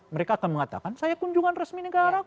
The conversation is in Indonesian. mereka akan mengatakan saya kunjungan resmi negara